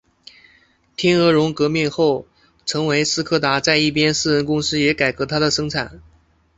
天鹅绒革命后成为斯柯达在一边私人公司也改革它的生产。